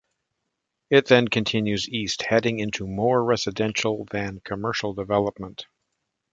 It then continues east, heading into more residential than commercial development.